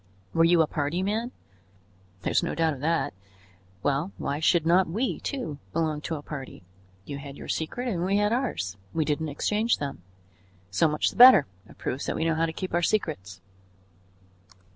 Were you a party man? There is no doubt of that. Well, why should not we, too, belong to a party? You had your secret and we had ours; we didn't exchange them. So much the better; it proves that we know how to keep our secrets."